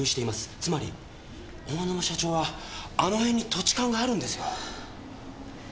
つまり大沼社長はあの辺に土地勘があるんですよ。